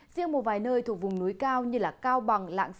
riêng một vài nơi thuộc vùng núi cao như cao bà